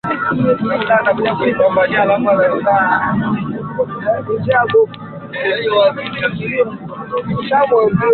Alikuwa Rais wa kwanza wa Tanzania